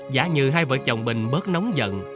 giả như hai vợ chồng bình bớt nóng giận